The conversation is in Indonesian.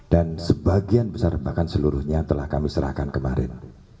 dan sebagian besar bahkan seluruhnya telah kami serahkan kemarin